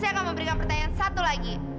saya akan memberikan pertanyaan satu lagi